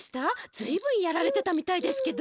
ずいぶんやられてたみたいですけど。